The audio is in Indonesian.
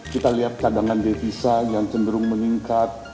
kita lihat cadangan devisa yang cenderung meningkat